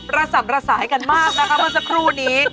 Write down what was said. ระส่ำระสายกันมากนะคะมาสักครู่นี้